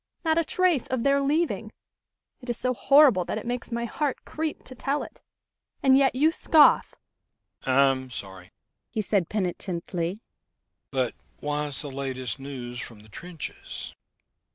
Not a trace of their leaving: it is so horrible that it makes my heart creep to tell it. And yet you scoff!" "I'm sorry," he said penitently.